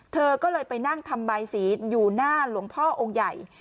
เธอก็เลยไปนั่งทำบายสีอยู่หน้าหลวงพ่อองค์ใหญ่